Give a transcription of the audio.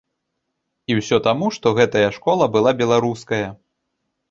І ўсё таму, што гэтая школа была беларуская.